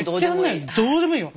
どうでもいいよ。